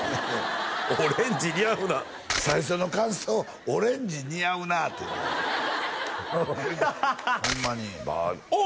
オレンジ似合うな最初の感想「オレンジ似合うな」ってホンマにあ！